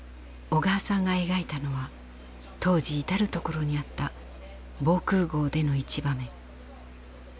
小川さんが描いたのは当時至る所にあった防空壕での一場面。